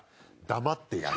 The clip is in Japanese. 黙ってやる。